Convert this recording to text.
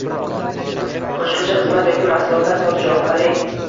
Qo’shimcha xizmat yoki mahsulotlar sotish orqali